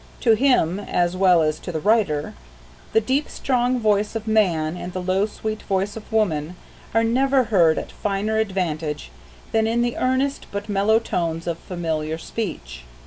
To him, as well as to the writer, the deep strong voice of man and the low sweet voice of woman are never heard at finer advantage than in the earnest but mellow tones of familiar speech.